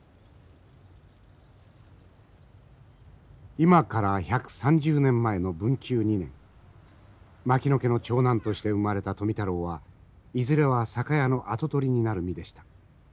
今から１３０年前の文久２年牧野家の長男として生まれた富太郎はいずれは酒屋の跡取りになる身でした。